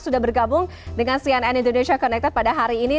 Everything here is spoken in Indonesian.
sudah bergabung dengan cnn indonesia connected pada hari ini